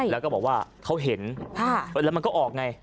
แล้วก็บอกว่าเขาเห็นแล้วมันก็ออกไง